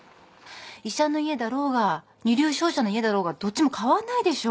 医者の家だろうが二流商社の家だろうがどっちも変わんないでしょ。